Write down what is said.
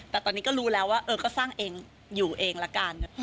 แต่ตอนนี้ก็รู้แล้วว่าก็สร้างเองอยู่เองละกัน